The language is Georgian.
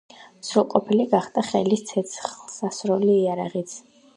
სრულყოფილი გახდა ხელის ცეცხლსასროლი იარაღიც.